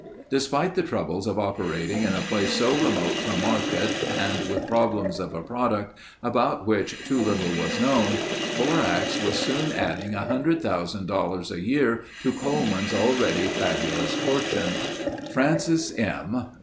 Despite the troubles of operating in a place so remote from market and with problems of a product about which too little was known, borax was soon adding $100,000 a year to Coleman's already fabulous fortune. Francis M.